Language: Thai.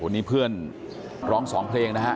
วันนี้เพื่อนร้องสองเพลงนะครับ